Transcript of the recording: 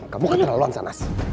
kamu keterlaluan sanas